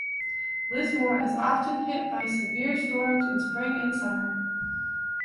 Lismore is often hit by severe storms in spring and summer.